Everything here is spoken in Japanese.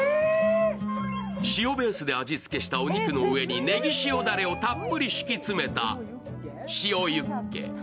塩ベースで味付けしたお肉の上にねぎ塩だれをたっぷり敷き詰めた塩ユッケ。